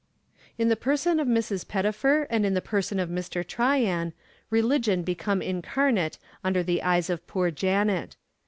In the person of Mrs. Pettifer and in the person of Mr. Tryan, religion became incarnate under the eyes of poor Janet.